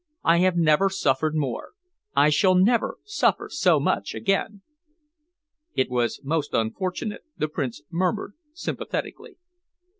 I have never suffered more. I shall never suffer so much again." "It was most unfortunate," the Prince murmured sympathetically.